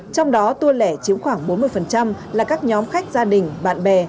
trong đó tour lẻ chiếm khoảng bốn mươi là các nhóm khách gia đình bạn bè